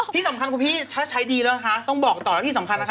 ที่สำคัญคุณพี่ถ้าใช้ดีแล้วนะคะต้องบอกต่อแล้วที่สำคัญนะคะ